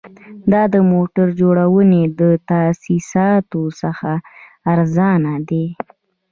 دا د موټر جوړونې له تاسیساتو څخه ارزانه دي